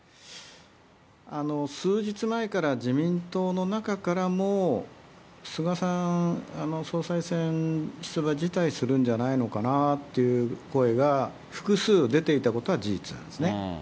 数日前から、自民党の中からも、菅さん、総裁選出馬辞退するんじゃないのかなって声が複数出ていたことは事実なんですね。